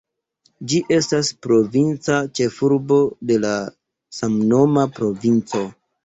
Ĝi estas provinca ĉefurbo de la samnoma provinco.